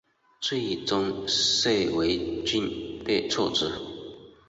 最终谢维俊被撤职。